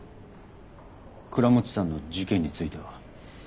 倉持さんの事件については？